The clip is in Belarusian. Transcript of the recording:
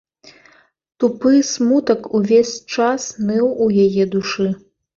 Тупы смутак увесь час ныў у яе душы.